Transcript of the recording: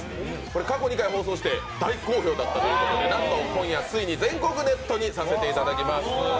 過去２回放送して、大好評だったということでなんと今夜ついに全国ネットにさせていただきます。